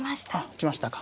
打ちましたか。